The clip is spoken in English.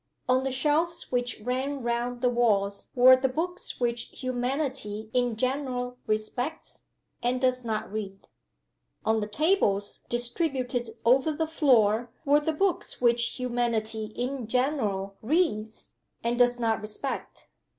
On the shelves which ran round the walls were the books which humanity in general respects and does not read. On the tables distributed over the floor were the books which humanity in general reads and does not respect.